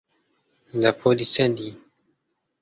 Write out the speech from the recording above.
لە پۆلی چەندی؟